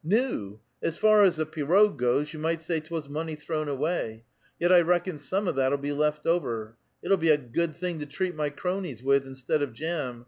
Na ! as far as the pirog goes, you might say 'twas inonev thrown awav. Yet I reckon some o' that'll be left over. It'll be a goo<l thing to treat my cronies with instead of jam.